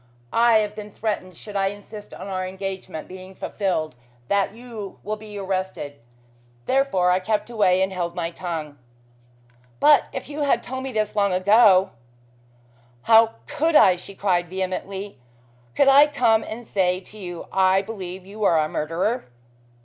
I have been threatened should I insist on our engagement being fulfilled that you will be arrested. Therefore I kept away and held my tongue." "But if you had told me this long ago " "How could I?" she cried vehemently. "Could I come and say to you, I believe you are a murderer?"